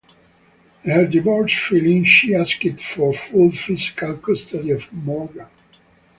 In her divorce filing she asked for full physical custody of Morgan.